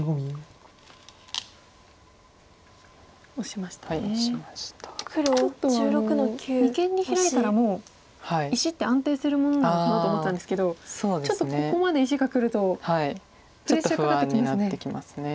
ちょっと二間にヒラいたらもう石って安定するものなのかなと思ったんですけどちょっとここまで石がくるとプレッシャーかかってきますね。